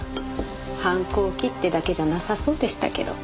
反抗期ってだけじゃなさそうでしたけど。